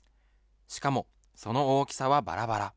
しかもその大きさはばらばら。